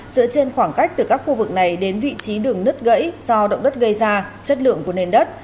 dựa trên khoảng cách từ các khu vực này đến vị trí đường nứt gãy do động đất gây ra chất lượng của nền đất